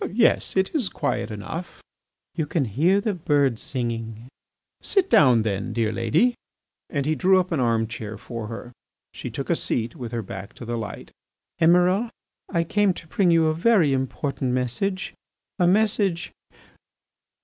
"Yes, it is quiet enough." "You can hear the birds singing." "Sit down, then, dear lady." And he drew up an arm chair for her. She took a seat with her back to the light. "Emiral, I came to bring you a very important message, a message.